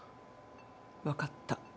「分かった。